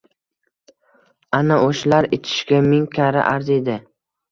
Ana o`shalar ichishga ming karra arziydi